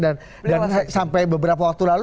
sampai beberapa waktu lalu